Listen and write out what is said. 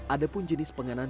ada pun jenis penganan